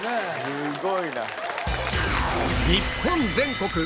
すごいな。